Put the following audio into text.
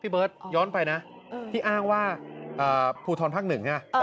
พี่เบิร์ตย้อนไปนะที่อ้างว่าภูทรภักดิ์๑น่ะ